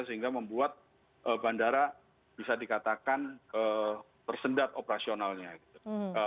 sehingga membuat bandara bisa dikatakan tersendat operasionalnya gitu